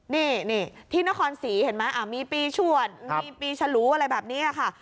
นี่ที่นครศรีเห็นไหมมีปีชวดมีปีฉลูอะไรแบบนี้ค่ะ